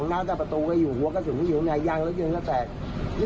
อย่างนี้ตำรวจชี้แจงเครียร์ได้หมด